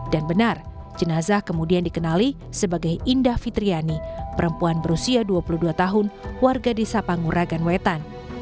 dan benar jenazah kemudian dikenali sebagai indah fitriani perempuan berusia dua puluh dua tahun warga desa panguragan wetan